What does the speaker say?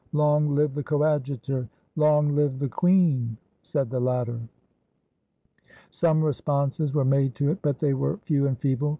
Long live the Coadjutor!" "Long live the queen!" said the latter. Some responses were made to it, but they were few and feeble.